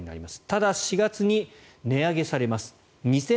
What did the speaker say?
ただ、４月に値上げされます。